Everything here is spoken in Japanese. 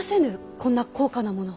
こんな高価なもの。